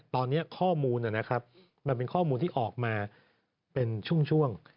ตอนนี้ข้อมูลนะครับมันเป็นข้อมูลที่ออกมาเป็นช่วง